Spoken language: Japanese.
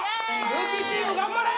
ルーキーチーム頑張れ！